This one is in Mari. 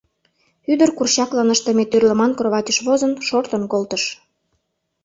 Ӱдыр, курчаклан ыштыме тӱрлеман кроватьыш возын, шортын колтыш.